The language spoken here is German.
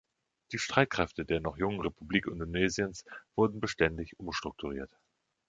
Die Streitkräfte der noch jungen Republik Indonesiens wurden beständig umstrukturiert.